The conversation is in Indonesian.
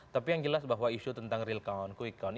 tapi yang jelas bahwa isu tentang real count quick count